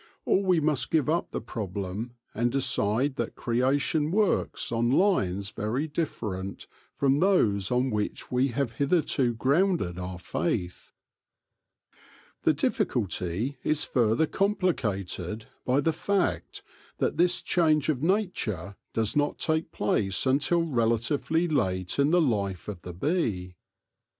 Or we must give up the problem and decide that creation works on lines very different from those on which we have hitherto grounded our faith. The difficulty is further complicated by the fact that this change of nature does not take place until relatively late in the life of the bee.